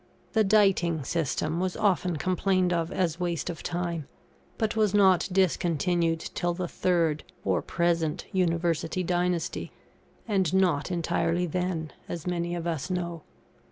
The "diting" system was often complained of as waste of time, but was not discontinued till the third, or present, University dynasty, and not entirely then, as many of us know.